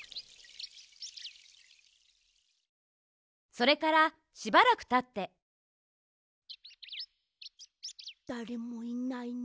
それからしばらくたってだれもいないね。